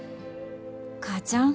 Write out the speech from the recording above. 母ちゃん。